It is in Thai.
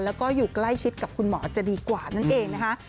แล้วก็อยู่ใกล้ชิดกับคุณหมอจะดีกว่านั่นเองนะคะ